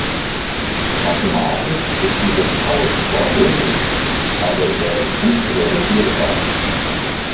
Mathematisch ist dieser Tausch zwar möglich, aber er ist nicht realisierbar.